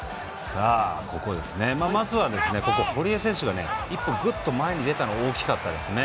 まずは、堀江選手が一歩グッと前に出たのが大きかったですね。